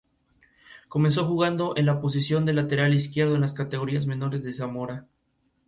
Comenzó jugando en la posición de lateral izquierdo en las categorías menores del Zamora.